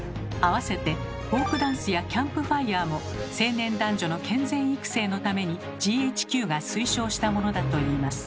あわせてフォークダンスやキャンプファイアも青年男女の健全育成のためにＧＨＱが推奨したものだといいます。